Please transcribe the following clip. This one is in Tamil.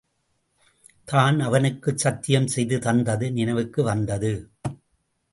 தான் அவனுக்குச் சத்தியம் செய்து தந்தது நினைவுக்கு வந்தது.